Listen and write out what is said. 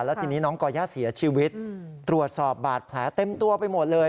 แล้วทีนี้น้องก่อย่าเสียชีวิตตรวจสอบบาดแผลเต็มตัวไปหมดเลย